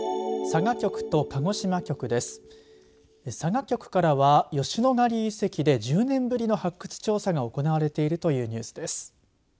佐賀局からは吉野ヶ里遺跡で１０年ぶりの発掘調査が行われているというニュースです。